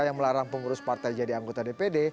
yang melarang pengurus partai jadi anggota dpd